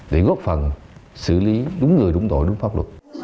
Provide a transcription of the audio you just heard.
để góp phần xử lý đúng người đúng tội đúng pháp luật